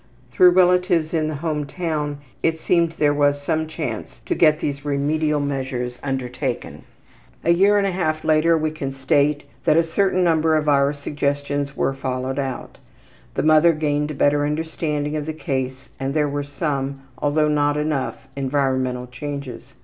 Through relatives in the home town it seemed there was some chance to get these remedial measures undertaken. A year and a half later we can state that a certain number of our suggestions were followed out. The mother gained a better understanding of the case and there were some, although not enough, environmental changes.